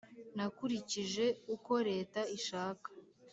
nakurikije uko leta ishaka